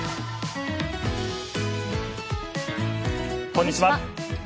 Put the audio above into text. こんにちは。